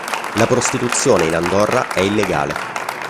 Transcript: La prostituzione in Andorra è illegale.